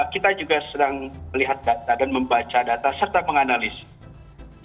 kita juga sedang melihat data dan membaca data serta menganalisis